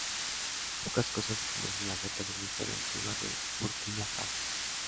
Pocas cosas se conocen acerca de la historia antigua de Burkina Faso.